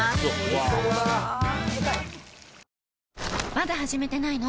まだ始めてないの？